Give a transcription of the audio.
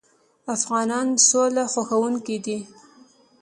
افغانان سوله خوښوونکي دي.